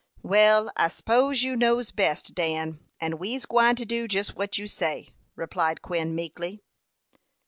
"Well, I s'pose you knows best, Dan; and we's gwine to do jus what you say," replied Quin, meekly.